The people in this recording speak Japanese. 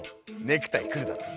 ネクタイくるだろ！